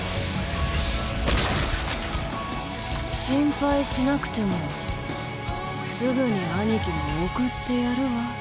心配しなくてもすぐに兄貴も送ってやるわ。